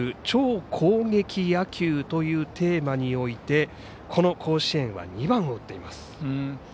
超攻撃野球というテーマにおいてこの甲子園は２番を打っています。